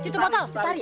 cut motol cut tarik